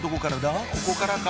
ここからか？